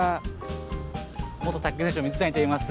元卓球選手の水谷といいます。